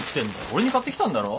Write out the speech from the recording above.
俺に買ってきたんだろ？